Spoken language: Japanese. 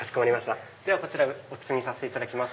ではこちらお包みさせていただきます。